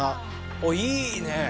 おおっいいね。